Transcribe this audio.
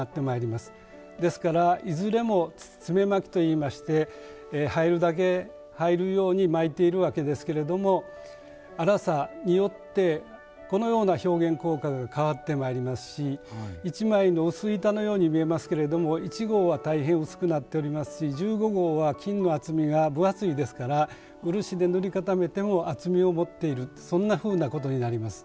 ですからいずれも詰め蒔きといいまして入るだけ入るように蒔いているわけですけれども粗さによってこのような表現効果が変わってまいりますし一枚の薄板のように見えますけれども１号は大変薄くなっておりますし１５号は金の厚みが分厚いですから漆で塗り固めても厚みを持っているそんなふうなことになります。